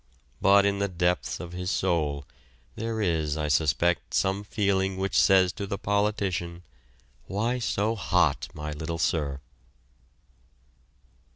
But in the depths of his soul there is, I suspect, some feeling which says to the politician, "Why so hot, my little sir?"